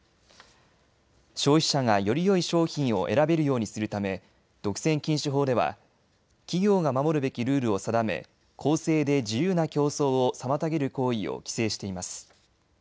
消費者がよりよい商品を選べるようにするため独占禁止法では企業が守るべきルールを定め公正で自由な競争を妨げる行為を規制しています。